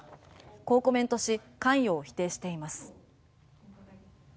こうコメントし関与を否定しています。